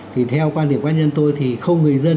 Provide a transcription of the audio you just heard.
thì theo quan điểm cá nhân tôi thì không người dân